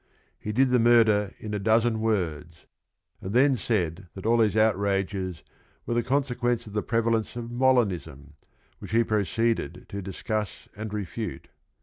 "He did the murder in a dozen words," and then said that all these outrages were the con sequence of the prevalence of Molinism, which he proceeded to discuss and refute.